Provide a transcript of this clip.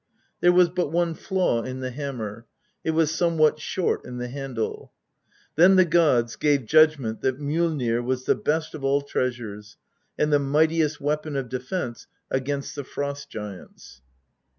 There was but one flaw in the hammer ; it was somewhat short in the handle. Then the gods gave judgment that Mjoilnir was the best of all treasures, and the mightiest weapon of defence against the Frost giants.